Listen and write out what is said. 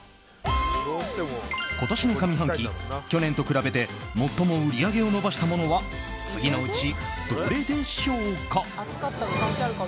今年の上半期、去年と比べて最も売り上げを伸ばしたものは次のうち、どれでしょうか？